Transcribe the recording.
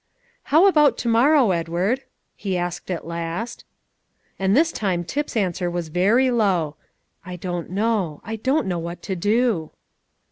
"How about to morrow, Edward?" he asked at last. And this time Tip's answer was very low: I don't know; I don't know what to do."